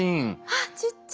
あっちっちゃい。